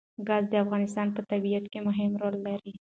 ګاز د افغانستان په طبیعت کې مهم رول لري.